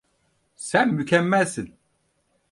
Sen mükemmelsin.